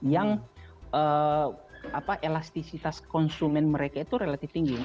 yang elastisitas konsumen mereka itu relatif tinggi